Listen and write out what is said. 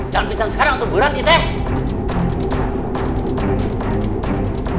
jangan pingsan sekarang berhenti